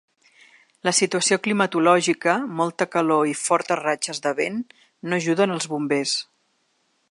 La situació climatològica, molta calor i fortes ratxes de vent, no ajuden als bombers.